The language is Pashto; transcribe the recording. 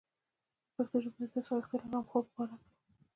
د پښتو ژبې د داسې غښتلي غمخور په باره کې.